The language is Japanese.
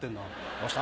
どうした？